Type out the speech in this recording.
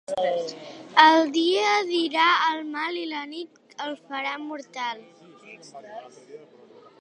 El dia dirà el mal i la nit el farà mortal.